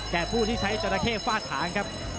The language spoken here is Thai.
แก่ผู้ที่ใช้จราเคฟาดถางครับ